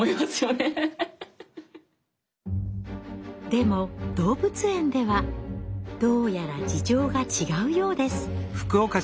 でも動物園ではどうやら事情が違うようです。